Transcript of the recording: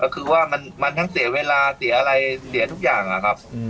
ก็คือว่ามันทั้งเสียเวลาเสียอะไรเสียทุกอย่างนะครับ